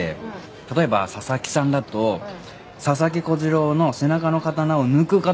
例えば佐々木さんだと佐々木小次郎の背中の刀を抜く形で「佐々木」。